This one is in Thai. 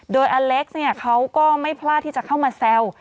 โดยอเล็กซ์เขาก็ไม่พลาดที่จะเข้ามาแซว